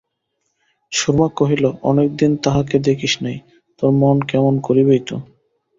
সুরমা কহিল, অনেকদিন তাঁহাকে দেখিস নাই, তোর মন কেমন করিবেই তো!